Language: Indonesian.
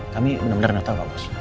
kami bener bener gak tau pak bos